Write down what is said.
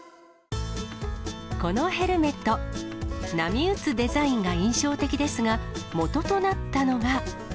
このヘルメット、波打つデザインが印象的ですが、もととなったのが。